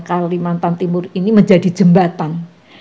kalimantan timur ini menjadi jembatan